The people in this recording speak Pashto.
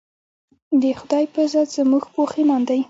د خدائے پۀ ذات زمونږ پوخ ايمان دے